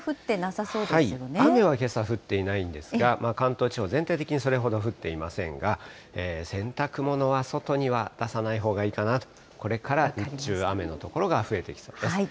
雨はけさ、降っていないんですが、関東地方、全体的にそれほど降っていませんが、洗濯物は外には出さないほうがいいかなと、これから日中、雨の所が増えてきそうです。